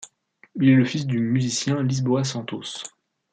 Il est le fils du musicien Lisboa Santos.